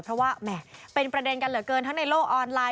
เพราะว่าแหมเป็นประเด็นกันเหลือเกินทั้งในโลกออนไลน